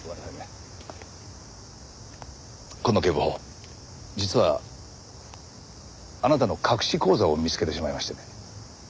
今野警部補実はあなたの隠し口座を見つけてしまいましてね。